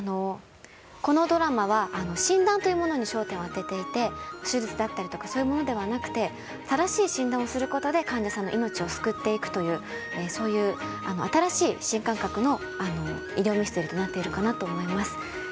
このドラマは診断というものに焦点を当てていて手術だったりそういうものではなくて正しい診断をすることで患者さんの命を救うというそういう新しい新感覚の医療ミステリーとなっているかなと思います。